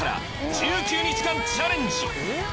１９日間チャレンジ